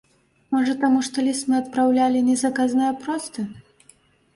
Можа таму, што ліст мы адпраўлялі не заказны, а просты.